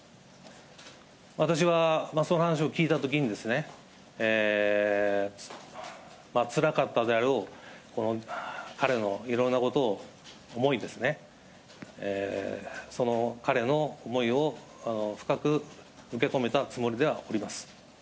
私はその話を聞いたときに、つらかったであろう、彼のいろんなことを、思い、その彼の思いを深く受け止めたつもりではおります。